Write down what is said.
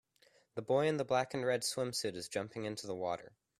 The boy in the black and red swimsuit is jumping into the water.